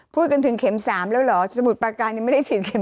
พูดกันถึงเข็ม๓แล้วเหรอสมุทรประการยังไม่ได้ฉีดเข็ม๑